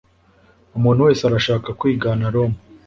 umuntu wese arashaka kwigana roma